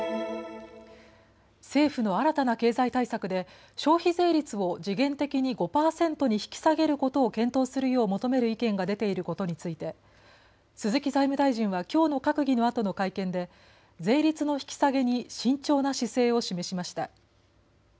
政府の新たな経済対策で消費税率を時限的に５％に引き下げることを検討するよう求める意見が出ていることについて鈴木財務大臣はきょうの閣議のあとの会見で税率の引き下げに慎重な姿勢を示しました。